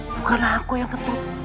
bukan aku yang ketut